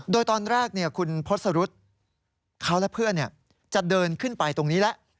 โดยตอนแรกคุณพศรุษเขาและเพื่อนจะเดินขึ้นไปตรงนี้แล้ว